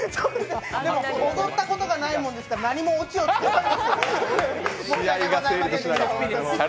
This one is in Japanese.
でも踊ったことがないもんですから何もオチがつけられない。